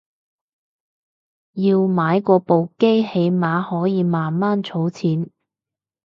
要買過部機起碼可以慢慢儲錢